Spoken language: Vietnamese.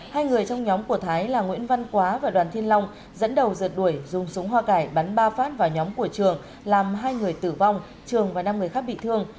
hai người trong nhóm của thái là nguyễn văn quá và đoàn thiên long dẫn đầu giật đuổi dùng súng hoa cải bắn ba phát vào nhóm của trường làm hai người tử vong trường và năm người khác bị thương